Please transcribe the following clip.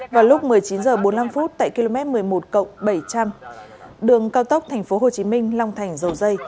vào lúc một mươi chín h bốn mươi năm tại km một mươi một bảy trăm linh đường cao tốc tp hcm long thành dầu dây